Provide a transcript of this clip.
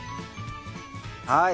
はい。